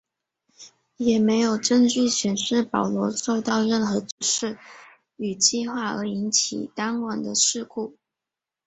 也没有证据显示保罗受到任何指示与计划而引起当晚的事故。